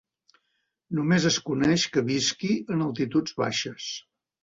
Només es coneix que visqui en altituds baixes.